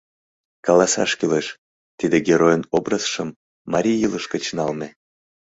Каласаш кӱлеш, тиде геройын образшым марий илыш гыч налме.